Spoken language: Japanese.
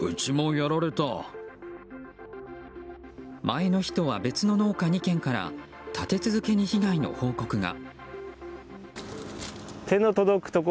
前の日とは別の農家２軒から立て続けに被害の報告が。